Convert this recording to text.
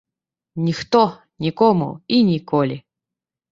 Ніхто, нікому і ніколі.